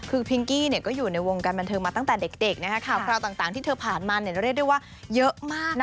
คือพิงกี้ก็อยู่ในวงการบันเทิงมาตั้งแต่เด็กข่าวคราวต่างที่เธอผ่านมาเรียกได้ว่าเยอะมากนะ